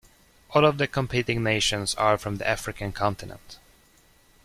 All of the competing nations are from the African continent.